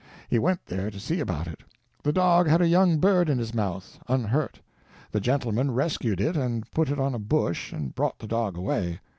He went there to see about it. The dog had a young bird in his mouth—unhurt. The gentleman rescued it and put it on a bush and brought the dog away.